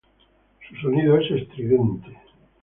Su sonido es estridente.